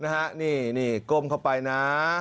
นี่ก้มเข้าไปนะ